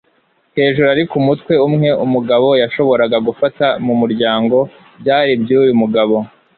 hejuru ariko umutwe umwe umugabo yashoboraga gufata mumuryango. byari iby'uyu mugabo